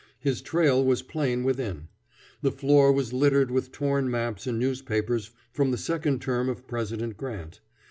His trail was plain within. The floor was littered with torn maps and newspapers from the second term of President Grant.